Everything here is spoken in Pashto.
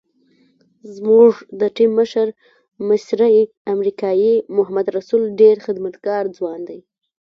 زموږ د ټیم مشر مصری امریکایي محمد رسول ډېر خدمتګار ځوان دی.